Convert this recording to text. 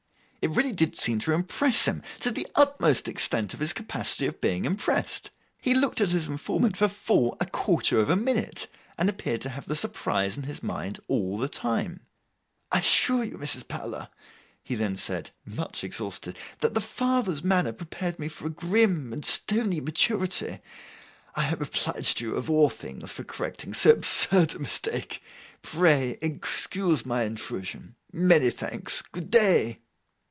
It really did seem to impress him, to the utmost extent of his capacity of being impressed. He looked at his informant for full a quarter of a minute, and appeared to have the surprise in his mind all the time. 'I assure you, Mrs. Powler,' he then said, much exhausted, 'that the father's manner prepared me for a grim and stony maturity. I am obliged to you, of all things, for correcting so absurd a mistake. Pray excuse my intrusion. Many thanks. Good day!